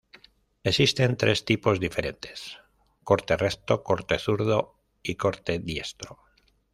Existen tres tipos diferentes: "corte recto", "corte zurdo" y "corte diestro".